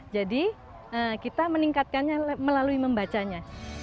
jadi kita meningkatkannya melalui membacanya